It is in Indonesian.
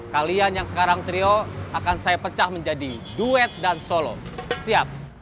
kalian yang sekarang trio akan saya pecah menjadi duet dan solo siap